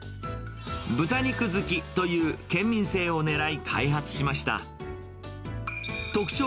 豚肉好きという県民性を狙い開発しました。